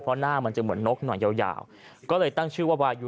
เพราะหน้ามันจะเหมือนนกหน่อยยาวก็เลยตั้งชื่อว่าวายู